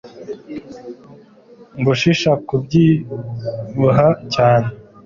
gushisha kubyibuha cyane